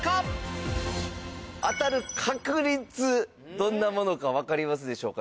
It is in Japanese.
どんなものかわかりますでしょうか？